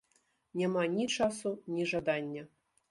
Няма ні часу, ні жадання.